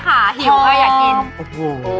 หิวมากอยากกิน